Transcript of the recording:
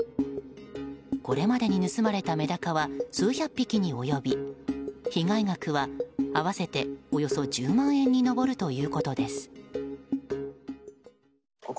これまでに盗まれたメダカは数百匹に及び被害額は合わせておよそ１０万円に上るということです。